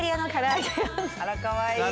あらかわいい。